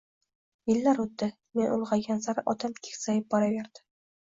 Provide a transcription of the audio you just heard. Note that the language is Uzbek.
Yillar oʻtdi, men ulgʻaygan sari otam keksayib boraverdi